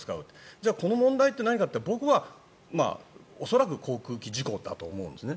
じゃあ、この問題って何かと言ったら僕は恐らく航空機事故だと思うんですね。